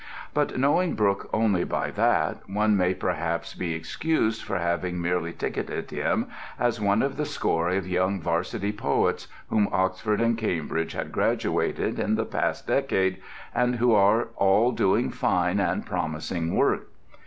But knowing Brooke only by that, one may perhaps be excused for having merely ticketed him as one of the score of young varsity poets whom Oxford and Cambridge had graduated in the past decade and who are all doing fine and promising work.